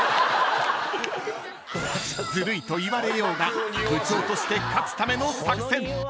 ［ずるいと言われようが部長として勝つための作戦］